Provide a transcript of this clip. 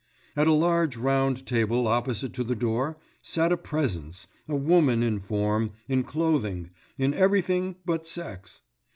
At a large round table opposite to the door sat a presence—a woman in form, in clothing, in everything but sex.